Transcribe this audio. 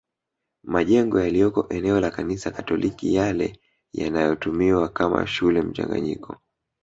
Majengo yaliyoko eneo la Kanisa Katoliki yale yanayotumiwa kama shule mchanganyiko